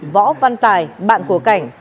võ văn tài bạn của cảnh